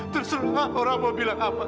terserah orang mau bilang apa